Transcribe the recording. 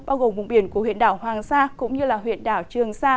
bao gồm vùng biển của huyện đảo hoàng sa cũng như huyện đảo trường sa